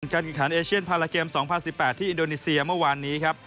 การแข่งขันเอเชียนพาราเกม๒๐๑๘ที่อินโดนีเซียเมื่อวานนี้ครับ